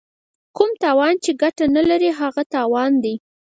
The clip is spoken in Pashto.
کوم تاوان چې ګټه نه لري هغه تاوان دی.